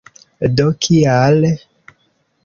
Do kial?